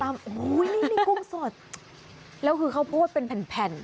โอ้โหนี่กุ้งสดแล้วคือข้าวโพดเป็นแผ่น